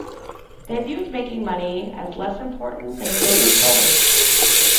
They viewed making money as less important than saving souls.